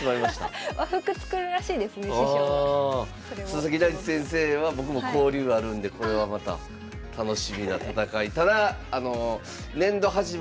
佐々木大地先生は僕も交流あるんでこれはまた楽しみな戦い。